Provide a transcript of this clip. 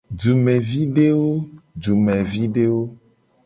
Dumevidewo.